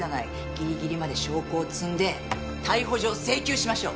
ギリギリまで証拠を積んで逮捕状請求しましょう。